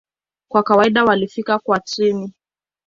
Kwa kawaida walifika kwa treni.